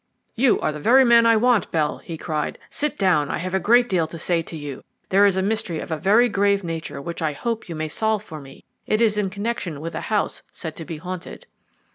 "You are the very man I want, Bell," he cried. "Sit down; I have a great deal to say to you. There is a mystery of a very grave nature which I hope you may solve for me. It is in connection with a house said to be haunted."